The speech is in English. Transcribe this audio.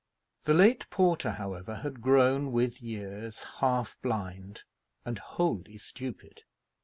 The late porter, however, had grown, with years, half blind and wholly stupid.